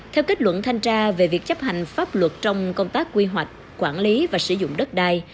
theo kết luận thanh tra về việc chấp hành pháp luật trong công tác quy hoạch quản lý và sử dụng đất đai